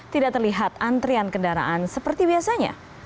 tidak terlihat antrian kendaraan seperti biasanya